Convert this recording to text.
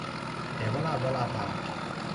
เหมราช - วราภา